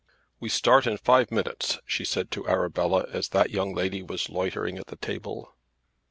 "We start in five minutes," she said to Arabella as that young lady was loitering at the table.